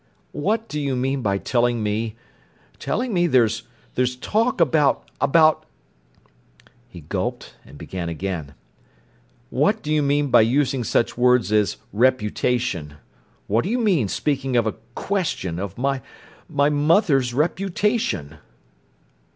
"What do you mean by telling me—telling me there's talk about—about—" He gulped, and began again: "What do you mean by using such words as 'reputation'? What do you mean, speaking of a 'question' of my—my mother's reputation?"